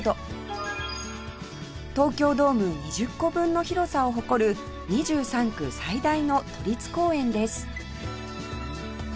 東京ドーム２０個分の広さを誇る２３区最大の都立公園です